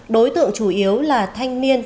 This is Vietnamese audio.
đối tượng chủ yếu là thanh niên